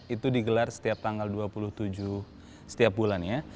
itu digelar setiap tanggal dua puluh tujuh setiap bulannya